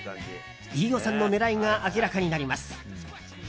飯尾さんの狙いが明らかになります。